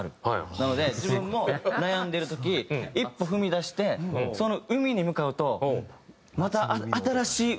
なので自分も悩んでる時一歩踏み出してその海に向かうとまた新しい海の見え方とかが。